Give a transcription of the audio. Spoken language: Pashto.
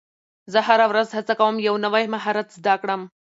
زه هره ورځ هڅه کوم یو نوی مهارت زده کړم